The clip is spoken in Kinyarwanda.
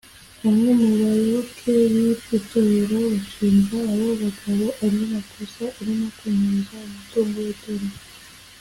Bamwe mu bayoboke b’iryo torero bashinja abo bagabo andi makosa arimo kunyereza umutungo w’Itorero